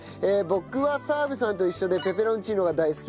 僕は澤部さんと一緒でペペロンチーノが大好きです。